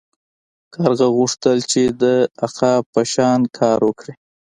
کارغه غوښتل چې د عقاب په شان کار وکړي.